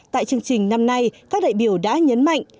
tại chương trình năm nay các đại biểu đã nhấn mạnh